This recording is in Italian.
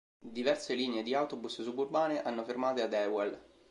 Diverse linee di autobus suburbane hanno fermate ad Ewell.